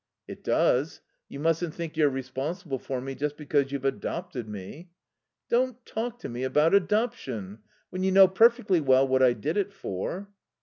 "It does. You mustn't think you're responsible for me just because you've adopted me." "Don't talk to me about adoption! When you know perfectly well what I did it for."